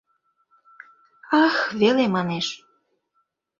«Ах» веле манеш.